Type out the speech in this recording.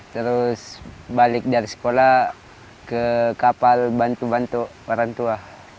terus balik dari sekolah ke kapal bantu bantu orang tua